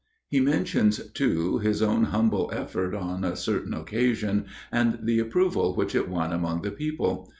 He mentions, too, his own humble effort on a certain occasion, and the approval which it won among the people.